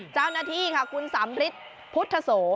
เจ้าหน้าที่ค่ะคุณสำริทพุทธโส